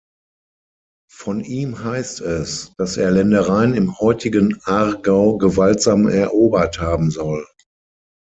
Von ihm heißt es, dass er Ländereien im heutigen Aargau gewaltsam erobert haben soll.